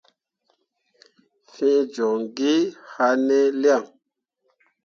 ̃Fẽe joŋ gi haane lian ?